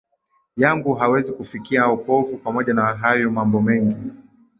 yangu hawezi kufikia wokovu Pamoja na hayo mambo mengi